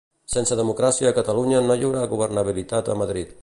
Sense democràcia a Catalunya no hi haurà governabilitat a Madrid.